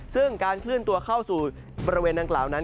ซึ่งการเคลื่อนตัวเข้าสู่บริเวณดังกล่าวนั้น